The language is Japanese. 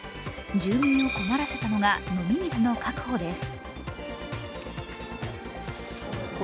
住民を困らせたのが飲み水の確保です。